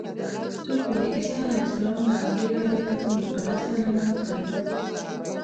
څوک وایي عیسی علیه السلام له همدې لارې بیت المقدس ته ننوتلی و.